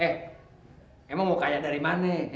eh emang lo kaya dari mana eh